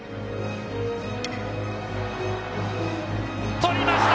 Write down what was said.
捕りました。